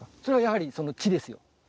それはやはりその地ですよ。